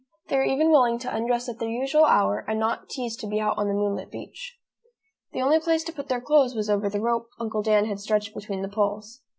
They were even willing to undress at their usual hour and not tease to be out on the moonlit beach. The only place to put their clothes was over the rope Uncle Dan had stretched between the poles.